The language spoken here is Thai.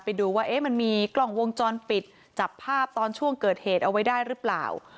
ไปดูว่ามันมีกล้องวงจรปิดจับภาพตอนช่วงเกิดเหตุเอาไว้ได้หรือเปล่า